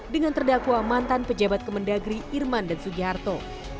dengan terdakwa mantan pejabat kemendagri irman dan sugiharto